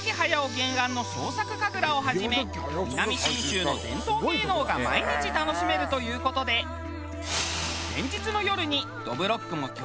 原案の創作神楽をはじめ南信州の伝統芸能が毎日楽しめるという事で前日の夜にどぶろっくも狂言を鑑賞。